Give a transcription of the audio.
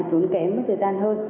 tốn kém mất thời gian hơn